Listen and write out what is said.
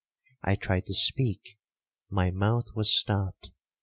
I tried to speak—my mouth was stopped.